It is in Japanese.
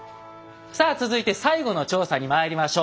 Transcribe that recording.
さあ続いて最後の調査にまいりましょう。